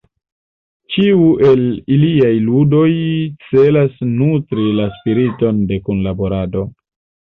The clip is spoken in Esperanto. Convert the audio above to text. Ĉiu el iliaj ludoj celas nutri la spiriton de kunlaborado.